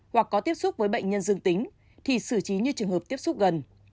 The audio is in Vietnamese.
hoặc có tiếp xúc với bệnh nhân dương tính thì xử trí như trường hợp tiếp xúc gần